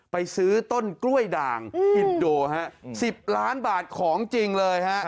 ไปซื้อต้นกล้วยด่างอินโดฮะ๑๐ล้านบาทของจริงเลยฮะ